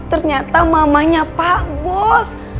ternyata mamanya pak bus